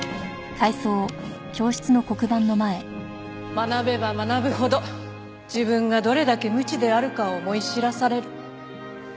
学べば学ぶほど自分がどれだけ無知であるかを思い知らされる。